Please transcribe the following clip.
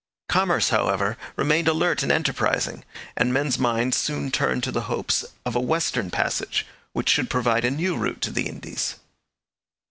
Commerce, however, remained alert and enterprising, and men's minds soon turned to the hopes of a western passage which should provide a new route to the Indies.